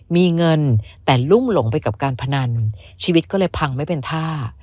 มีเงินแต่ลุ่มหลงไปกับการพนันชีวิตก็เลยพังไม่เป็นท่า